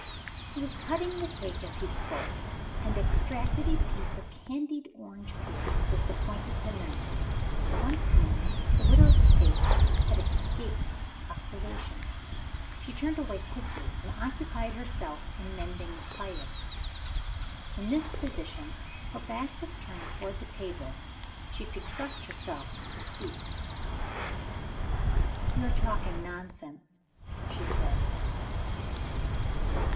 He was cutting the cake as he spoke, and extracted a piece of candied orange peel with the point of the knife. Once more, the widow's face had escaped observation. She turned away quickly, and occupied herself in mending the fire. In this position, her back was turned towards the table she could trust herself to speak. "You are talking nonsense!" she said.